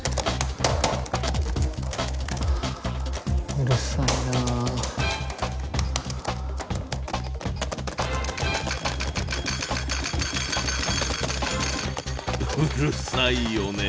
うるさいよね。